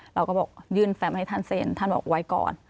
เราก็บอกยื่นแฟมให้ท่านเซ็นท่านบอกไว้ก่อน